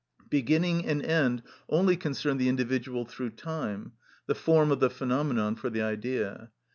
Beginning and end only concern the individual through time, the form of the phenomenon for the idea.